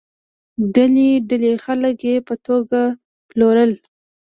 ډلې ډلې خلک یې په توګه پلورل.